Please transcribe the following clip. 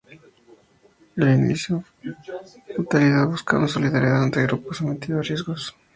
Sigue el principio de mutualidad, buscando la solidaridad entre un grupo sometido a riesgos.